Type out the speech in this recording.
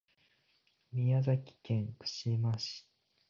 宮崎県串間市